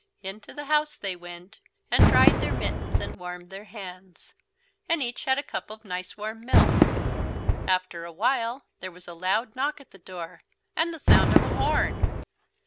Into the house they went, and dried their mittens and warmed their hands. And each had a cup of nice warm milk. After a while there was a loud knock at the door, and the sound of a horn.